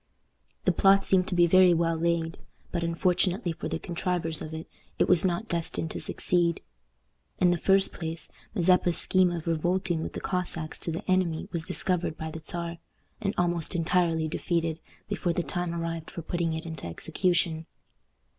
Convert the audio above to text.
The plot seemed to be very well laid; but, unfortunately for the contrivers of it, it was not destined to succeed. In the first place, Mazeppa's scheme of revolting with the Cossacks to the enemy was discovered by the Czar, and almost entirely defeated, before the time arrived for putting it into execution.